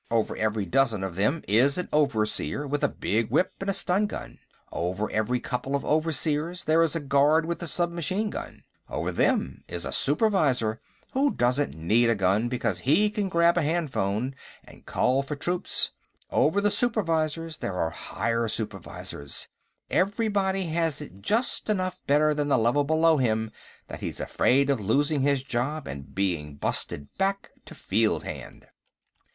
Over every dozen of them is an overseer with a big whip and a stungun. Over every couple of overseers there is a guard with a submachine gun. Over them is a supervisor, who doesn't need a gun because he can grab a handphone and call for troops. Over the supervisors, there are higher supervisors. Everybody has it just enough better than the level below him that he's afraid of losing his job and being busted back to fieldhand."